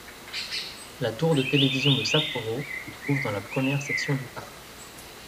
La tour de télévision de Sapporo se trouve dans la première section du parc.